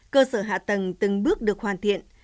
cơ sở hạ tầng từng bước được hoàn thiện